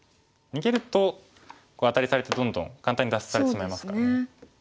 逃げるとアタリされてどんどん簡単に脱出されてしまいますからね。